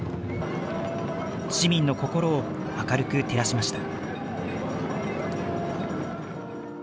市民の心を明るく照らしました。